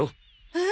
えっ？